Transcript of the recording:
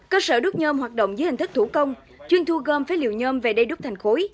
cơ sở đúc nhôm hoạt động dưới hình thức thủ công chuyên thu gom phế liệu nhôm về đây đúc thành khối